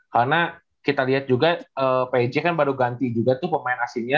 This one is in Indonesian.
karena kita lihat juga pg kan baru ganti juga tuh pemain aslinya